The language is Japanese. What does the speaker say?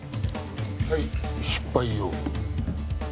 はい失敗用。